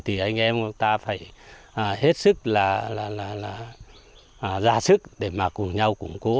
thì anh em ta phải hết sức là ra sức để mà cùng nhau củng cố